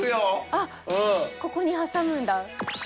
あっここに挟むんだ。